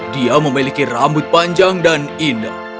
dia memiliki rambut panjang dan indah